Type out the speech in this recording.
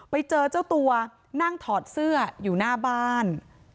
ไปเจอเจ้าตัวนั่งถอดเสื้ออยู่หน้าบ้าน